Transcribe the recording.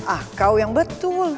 ah kau yang betul